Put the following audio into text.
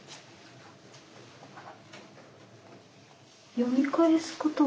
読み返すことは？